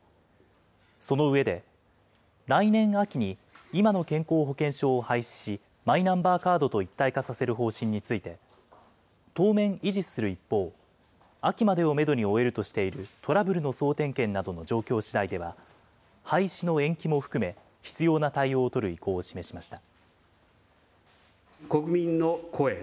その上で、来年秋に今の健康保険証を廃止しマイナンバーカードと一体化させる方針について、当面維持する一方、秋までをメドに終えるとしているトラブルの総点検などの状況しだいでは、廃止の延期も含め、必要な対応を取る意向を示しました。